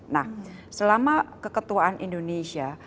nah selama keketuaan indonesia